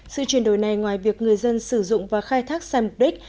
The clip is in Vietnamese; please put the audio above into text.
sự chuyển đổi này ngoài việc người dân sử dụng và khai thác sai mục đích